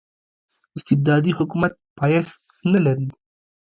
استبدادي حکومت پایښت نلري.